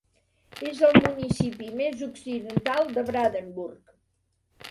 És el municipi més occidental de Brandenburg.